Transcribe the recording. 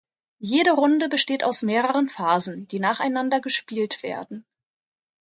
Jede Runde besteht aus mehreren Phasen, die nacheinander gespielt werden.